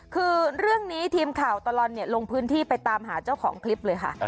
คือเรื่องนี้ทีมข่าวตลอดลงพื้นที่ไปตามหาเจ้าของคลิปเลยค่ะ